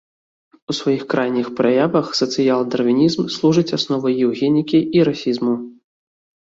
У сваіх крайніх праявах сацыял-дарвінізм служыць асновай еўгенікі і расізму.